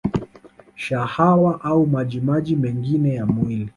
Shahawa au maji maji mengine ya mwili